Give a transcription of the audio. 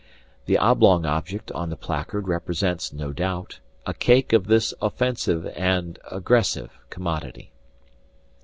The oblong object on the placard represents, no doubt, a cake of this offensive and aggressive commodity.